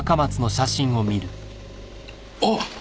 あっ！